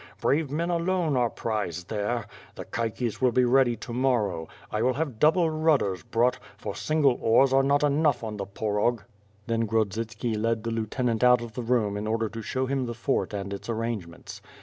Brave men alone are prized there. The caiques will be ready to morrow. I \v\\\ have double rudders brought, for single oars are not enough on the Porog." 'Then Grodzitski led the lieutenant out of the room in order to show him tlie fort and its arrangements.